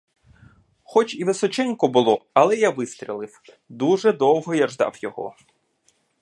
Хоч і височенько було, але я вистрілив — дуже довго я ждав його.